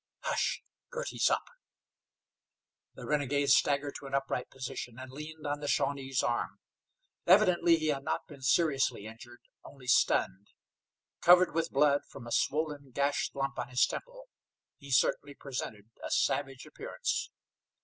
"Hush! Girty's up." The renegade staggered to an upright position, and leaned on the Shawnee's arm. Evidently he had not been seriously injured, only stunned. Covered with blood from a swollen, gashed lump on his temple, he certainly presented a savage appearance.